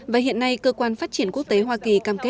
và hiện nay cơ quan phát triển quốc tế hoa kỳ